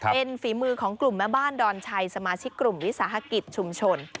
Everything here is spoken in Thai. เป็นฝีมือของกลุ่มแม่บ้านดอนชัยสมาชิกกลุ่มวิสาหกิจชุมชน